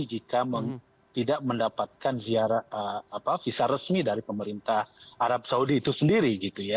jika tidak mendapatkan visa resmi dari pemerintah arab saudi itu sendiri